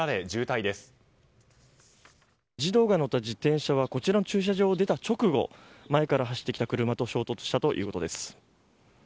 児童が乗った自転車はこちらの駐車場を出た直後前から走ってきた車と衝突したということです。